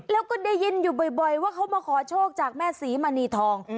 แล้วก็ได้ยินอยู่บ่อยว่าเขามาขอโชคจากแม่ศรีมณีทอง